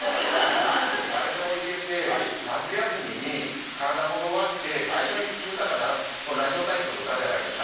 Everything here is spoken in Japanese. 男女誰でも行けて夏休みに体を動かして最初に聴く歌が『ラジオ体操の歌』じゃないですか。